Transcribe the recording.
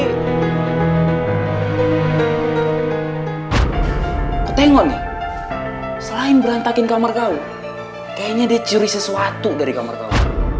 kau tengok nih selain berantakin kamar kau kayaknya dia curi sesuatu dari kamar kau